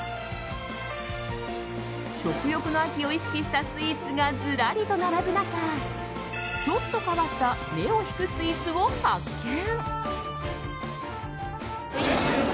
食欲の秋を意識したスイーツがずらりと並ぶ中ちょっと変わった目を引くスイーツを発見。